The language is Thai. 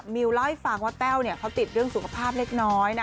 มิวเล่าให้ฟังว่าแต้วเขาติดเรื่องสุขภาพเล็กน้อยนะ